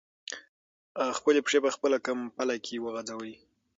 خپلې پښې په خپله کمپله کې وغځوئ.